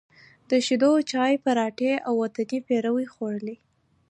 د شېدو چای، پراټې او وطني پېروی خوړلی،